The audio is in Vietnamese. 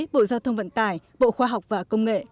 bộ giao thông vận tải bộ khoa học và công nghệ